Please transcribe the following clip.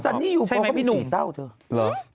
สันนี้อยู่บนก็มีสีเต้าเถอะเหรอใช่ไหมพี่หนุ่ม